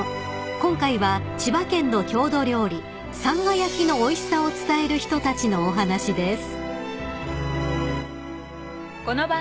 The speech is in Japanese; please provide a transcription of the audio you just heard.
［今回は千葉県の郷土料理さんが焼きのおいしさを伝える人たちのお話です］